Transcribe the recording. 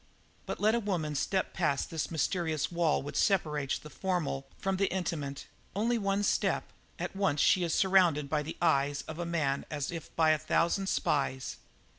But let a woman step past that mysterious wall which separates the formal from the intimate only one step at once she is surrounded by the eyes of a man as if by a thousand spies.